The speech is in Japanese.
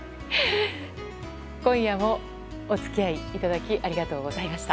今夜もお付き合いいただきありがとうございました。